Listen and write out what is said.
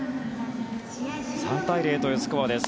３対０というスコアです